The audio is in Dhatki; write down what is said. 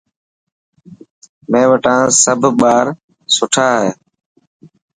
مين وٽان سڀ ٻار سٺا هي.